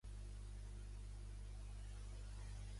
Saben més coses que jo, de l'Hermògenes.